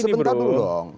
apa sebentar dulu dong